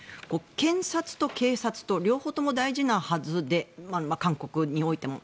検察と警察と両方とも大事なはずで韓国においても。